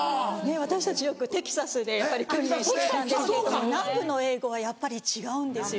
私たちよくテキサスで訓練していたんですけれども南部の英語はやっぱり違うんですよ。